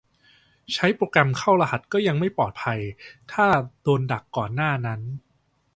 ใช้โปรแกรมเข้ารหัสก็ยังไม่ปลอดภัย ถ้าโดนดักก่อนหน้านั้น